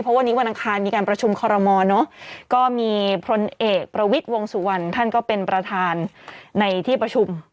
เพราะวันนี้วันอังคารมีการประชุมคอรมอลเนอะก็มีพลเอกประวิทย์วงสุวรรณท่านก็เป็นประธานในที่ประชุม